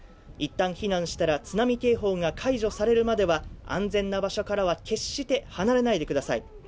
一旦避難したら津波警報が解除されるまでは安全な場所からは決して離れないでください。